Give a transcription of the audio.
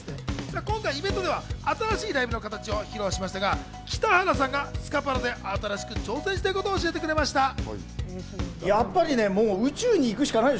今回、イベントでは新しいライブの形を披露しましたが、北原さんがスカパラで新しく挑戦したいことを教えてくれました。